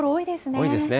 多いですね。